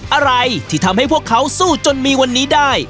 อะไรที่ทำให้พวกเขาสู้จนมีวันนี้ได้